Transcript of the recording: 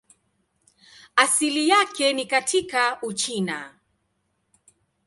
Asili yake ni katika Uchina.